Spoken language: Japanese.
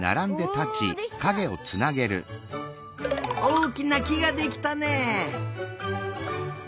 おおきなきができたねえ。